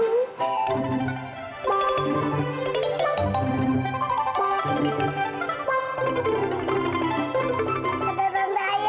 di mana agung beracles pake pengganti